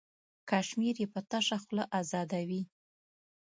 کشمیر یې په تشه خوله ازادوي.